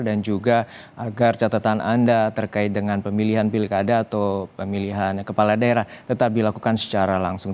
dan juga agar catatan anda terkait dengan pemilihan pilkada atau pemilihan kepala daerah tetap dilakukan secara langsung